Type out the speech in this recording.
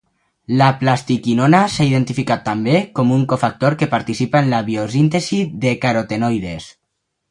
La plastoquinona s’ha identificat també com un cofactor que participa en la biosíntesi de carotenoides.